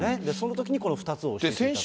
そのときにこの２つを教えていたと。